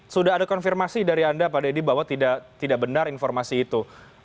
sudah ada konfirmasi dari anda pak deddy bahwa tidak benar informasi itu